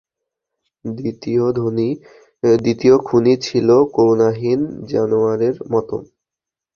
দ্বিতীয় খুনী ছিল করুণাহীন জানোয়ারের মতো।